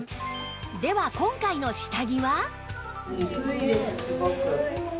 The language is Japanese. では今回の下着は？